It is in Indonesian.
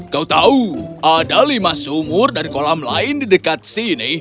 kau tahu ada lima sumur dan kolam lain di dekat sini